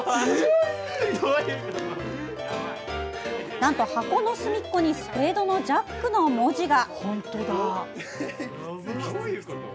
なんと箱の隅っこにスペードのジャックの文字が！